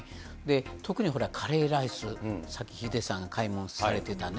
特にほら、カレーライス、さっきヒデさんが買い物されてたね。